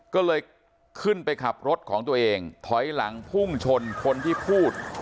ก็เลยขึ้นไปขับรถของตัวเองถอยหลังพุ่งชนคนที่พูด